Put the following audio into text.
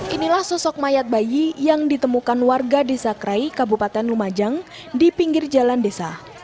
inilah sosok mayat bayi yang ditemukan warga desa krai kabupaten lumajang di pinggir jalan desa